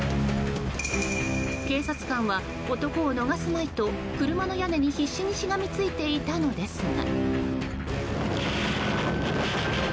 警察官は男を逃すまいと車の屋根に必死にしがみついていたのですが。